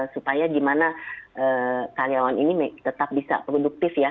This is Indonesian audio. supaya gimana karyawan ini tetap bisa produktif ya